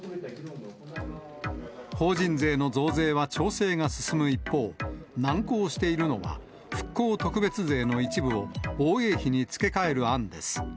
法人税の増税は調整が進む一方、難航しているのは、復興特別税の一部を、防衛費に付け替える案です。